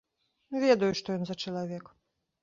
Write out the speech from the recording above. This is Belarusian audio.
Ведаю, што ён за чалавек.